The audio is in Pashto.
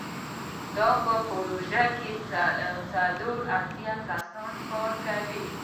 په دې پروژه کې څلور اتیا کسان کار کوي.